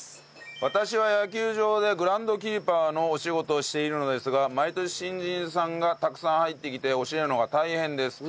私は野球場でグラウンドキーパーのお仕事をしているのですが毎年新人さんがたくさん入ってきて教えるのが大変です。